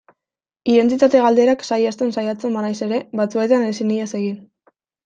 Identitate galderak saihesten saiatzen banaiz ere, batzuetan ezin ihes egin.